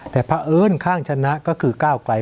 แต่พระเอิญข้างชนะก็คือก้าวไกล